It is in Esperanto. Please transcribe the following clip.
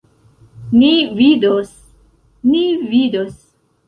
Ni vidos, ni vidos!